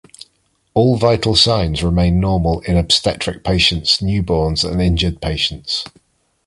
All vital signs remain normal in obstetric patients, newborns, and injured patients.